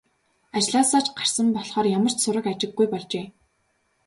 Ажлаасаа ч гарсан болохоор ямар ч сураг ажиггүй болжээ.